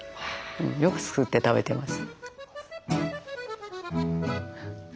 よく作って食べてます。